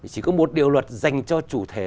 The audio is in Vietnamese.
chỉ có một điều luật dành cho chủ thể